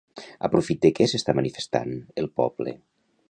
A profit de què s'està manifestant, el poble?